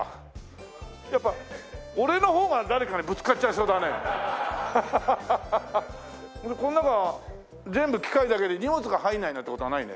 それでこの中全部機械だけで荷物が入らないなんて事はないね？